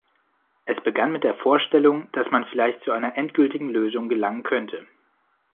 Es begann mit der Vorstellung, dass man vielleicht zu einer endgültigen Lösung gelangen könnte.